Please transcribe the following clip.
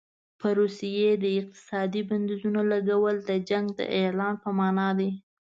په روسیې د اقتصادي بندیزونو لګول د جنګ د اعلان په معنا دي.